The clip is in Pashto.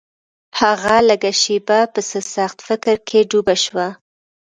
هغه لږه شېبه په څه سخت فکر کې ډوبه شوه.